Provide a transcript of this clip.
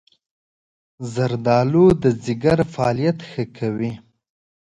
زردآلو د ځيګر فعالیت ښه کوي.